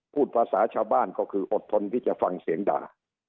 พูดภาษาชาวบ้านก็คืออดทนที่จะฟังเสียงด่า